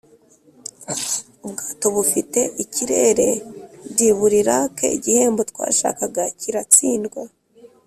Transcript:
ubwato bufite ikirere'd buri rack, igihembo twashakaga kiratsindwa,